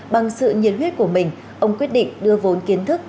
bằng sự nhiệt huyết của mình ông quyết định đưa vốn kiến thức